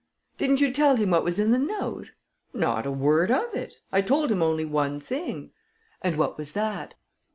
"Didn't you tell him what was in the note?" "Not a word of it I told him only one thing." "And what was that?"